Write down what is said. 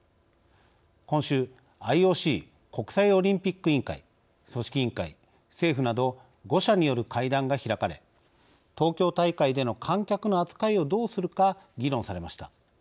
今週、ＩＯＣ＝国際オリンピック委員会組織委員会、政府など５者による会談が開かれ東京大会での観客の扱いをどうするか議論されました。